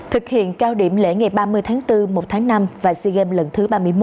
thực hiện cao điểm lễ ngày ba mươi tháng bốn một tháng năm và sea games lần thứ ba mươi một